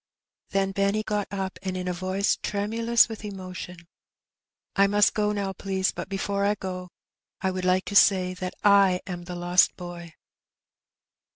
Then Benny got up, and said in a voice tremulous with emotion, ^^I must go now, please; but before I go I would like to say that I am the lost boy."